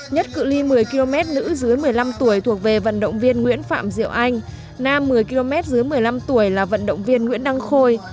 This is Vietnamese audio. nhất cự li một mươi km nữ dưới một mươi năm tuổi thuộc về vận động viên nguyễn phạm diệu anh nam một mươi km dưới một mươi năm tuổi là vận động viên nguyễn đăng khôi